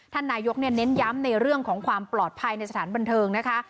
ท่านนายกเน้นย้ำในเรื่องของความปลอดภัยในสถานบันเทิงนะคะ